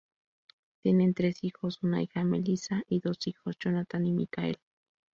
Tienen tres hijos: una hija, Melissa y dos hijos, Jonathan y Michael.